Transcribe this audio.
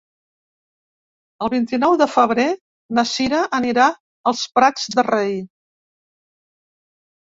El vint-i-nou de febrer na Cira anirà als Prats de Rei.